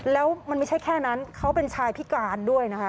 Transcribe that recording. แล้วมันไม่ใช่แค่นั้นเขาเป็นชายพิการด้วยนะคะ